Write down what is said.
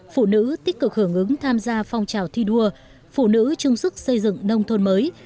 phụ nữ tích cực hưởng ứng tham gia phong trào thi đua phụ nữ trung sức xây dựng nông thôn mới